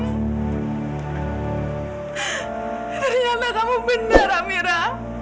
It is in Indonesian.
ternyata kamu benar amira